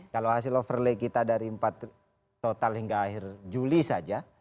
kalau hasil overlay kita dari empat total hingga akhir juli saja